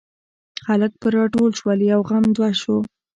خلک پر راټول شول یو غم دوه شو.